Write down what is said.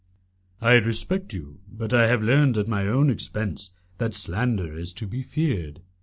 "I respect you, but I have learned at my own expense that slander is to be feared.